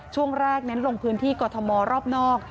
ช่วงแรกเน้นลงพื้นที่กรทมรอบนอก